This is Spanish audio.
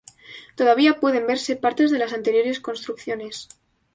Todavía pueden verse partes de las anteriores construcciones.